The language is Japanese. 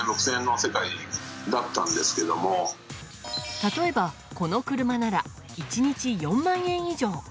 例えば、この車なら１日４万円以上。